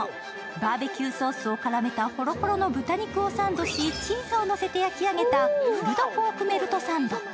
バーベキューソースを絡めたホロホロの豚肉をサンドし、チーズをのせて焼き上げたプルドポークメルトサンド。